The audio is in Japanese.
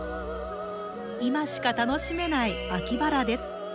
今しか楽しめない秋バラです。